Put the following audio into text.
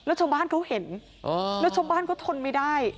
แล้วชาวบ้านเขาเห็นแล้วชาวบ้านเขาทนไม่ได้